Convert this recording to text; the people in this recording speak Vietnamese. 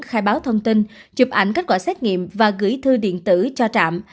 khai báo thông tin chụp ảnh kết quả xét nghiệm và gửi thư điện tử cho trạm